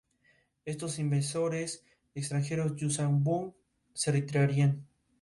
Estos invasores extranjeros, yuuzhan vong, se retirarían.